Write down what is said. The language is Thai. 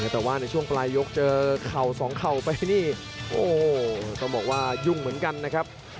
แต่ว่าในช่วงปลายยกเจอเข่าสองเข่าไปนี่โอ้โหต้องบอกว่ายุ่งเหมือนกันนะครับ